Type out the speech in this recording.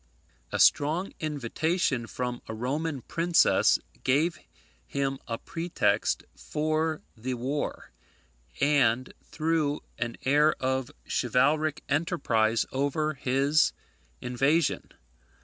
A strong invitation from a Roman princess gave him a pretext for the war, and threw an air of chivalric enterprise over his invasion.